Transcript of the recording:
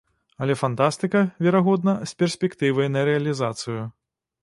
Але фантастыка, верагодна, з перспектывай на рэалізацыю.